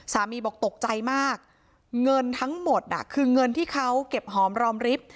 บอกตกใจมากเงินทั้งหมดคือเงินที่เขาเก็บหอมรอมริฟท์